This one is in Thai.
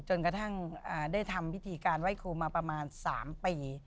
จนกระทั่งได้ทำพิธีการไหว้ครูมาประมาณ๓ปี